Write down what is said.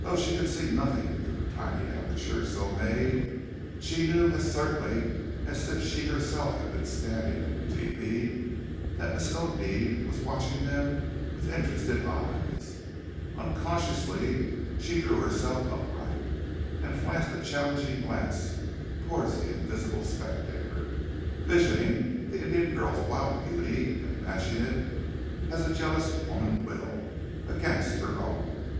Though she could see nothing through the tiny aperture so made, she knew, as certainly as if she herself had been standing in the tepee, that Miskodeed was watching them with interested eyes. Unconsciously she drew herself upright, and flashed a challenging glance towards the invisible spectator, visioning the Indian girl's wild beauty and matching it, as a jealous woman will, against her own.